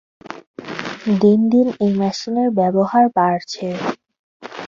দিন দিন এই মেশিনের ব্যবহার বাড়ছে।